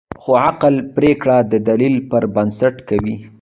خو عقل پرېکړه د دلیل پر بنسټ کوي.